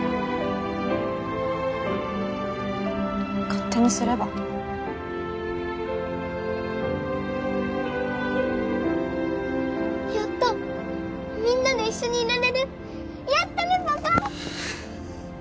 勝手にすればやったみんなで一緒にいられるやったねパパ！